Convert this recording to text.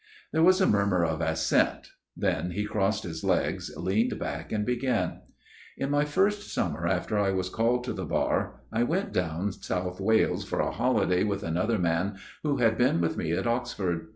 There was a murmur of assent. Then he crossed his legs, leaned back and began :" In my first summer after I was called to the Bar I went down South Wales for a holiday with another man who had been with me at Oxford.